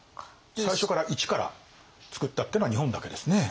最初から一からつくったってのは日本だけですね。